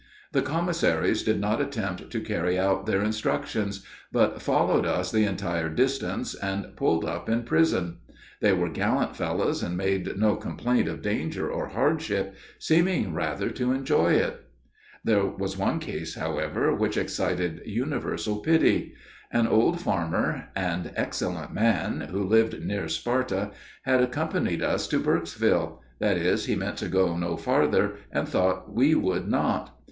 The commissaries did not attempt to carry out their instructions, but followed us the entire distance and pulled up in prison. They were gallant fellows and made no complaint of danger or hardship, seeming rather to enjoy it. [Illustration: THE FARMER FROM CALFKILLER CREEK.] There was one case, however, which excited universal pity. An old farmer and excellent man, who lived near Sparta, had accompanied us to Burkesville; that is, he meant to go no farther, and thought we would not.